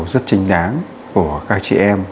rất trinh đáng của các chị em